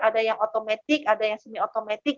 ada yang otomatik ada yang semi otomatik